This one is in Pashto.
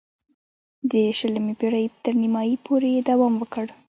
د شلمې پېړۍ تر نیمايی پورې یې دوام وکړ.